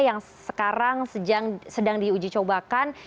yang sekarang sedang diuji cobakan